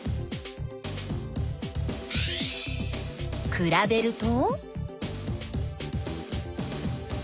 くらべると？